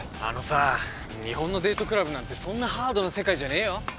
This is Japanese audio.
あのさ日本のデートクラブなんてそんなハードな世界じゃねえよ。